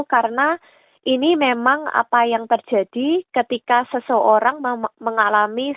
karena ini memang apa yang terjadi ketika seseorang mengalami